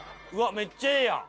めっちゃええやん！